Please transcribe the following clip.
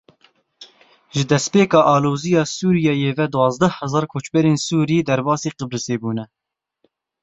Ji destpêka aloziya Sûriyeyê ve duwazdeh hezar koçberên Sûrî derbasî Qibrisê bûne.